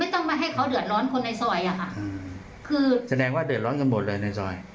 ต้องมาให้เขาเดือดร้อนคนในซอยอะค่ะคือแสดงว่าเดือดร้อนกันหมดเลยในซอย